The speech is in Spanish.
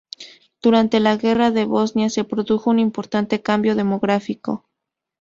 Durante la guerra de Bosnia, se produjo un importante cambio demográfico.